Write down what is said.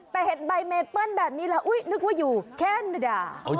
แต่เห็นใบเมเปิ้ลแบบนี้ละนึกว่าอยู่แคนดา